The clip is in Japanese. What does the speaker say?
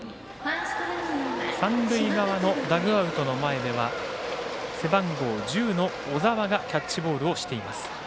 三塁側のダッグアウトの前では背番号１０の小澤がキャッチボールをしています。